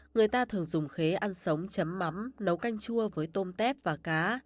người ta thường dùng khế ăn sống chấm mắm nấu canh chua với tôm tép và cá